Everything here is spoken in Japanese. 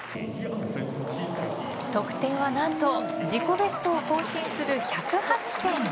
得点は何と自己ベストを更新する１０８．１２。